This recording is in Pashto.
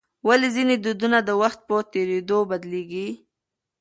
ولې ځینې دودونه د وخت په تېرېدو بدلیږي؟